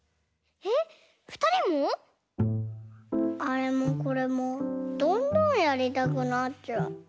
あれもこれもどんどんやりたくなっちゃう。